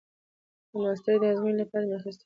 د ماسترۍ د ازموينې لپاره مې اخيستي وو.